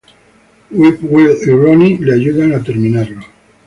Will y Ronnie le ayudan a terminarlo.